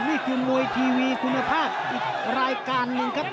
นี่คือมวยทีวีคุณภาพอีกรายการหนึ่งครับ